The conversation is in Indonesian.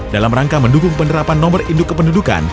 dalam rangka mendukung penerapan nomor induk kependudukan